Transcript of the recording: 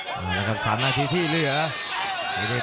แก้สถานการณ์อีก๓นาทีที่เรือกอีกนิด